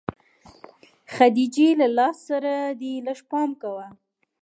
خديجې له لاس سره دې لږ پام کوه.